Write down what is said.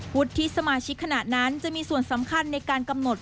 วุฒิสมาชิกขณะนั้นจะมีส่วนสำคัญในการกำหนด